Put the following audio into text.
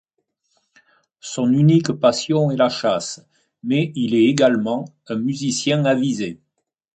Son unique passion est la chasse, mais il est également un musicien avisé.